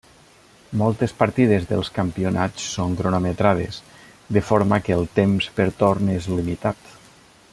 Moltes partides dels campionats són cronometrades, de forma que el temps per torn és limitat.